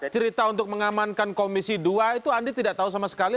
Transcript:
cerita untuk mengamankan komisi dua itu andi tidak tahu sama sekali